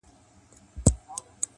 هوښیار انتخاب د سبا بار سپکوي،